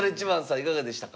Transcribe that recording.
いかがでしたか。